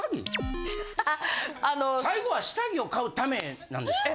最後は下着を買うためなんですか？